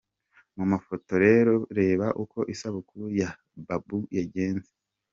Mu mafoto, reba uko isabukuru ya Babo yagenze.